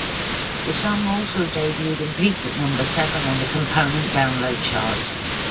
The song also debuted and peaked at number seven on the component Download Chart.